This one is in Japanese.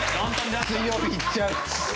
水曜日行っちゃう。